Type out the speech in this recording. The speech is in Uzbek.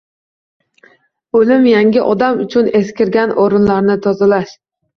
O’lim – yangi odam uchun eskirgan o’rinlarni tozalash.